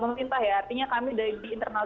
pemerintah ya artinya kami di internal